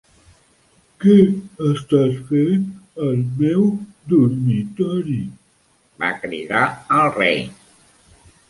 "Què estàs fent al meu dormitori?", va cridar el Rei.